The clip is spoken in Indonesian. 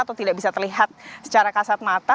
atau tidak bisa terlihat secara kasat mata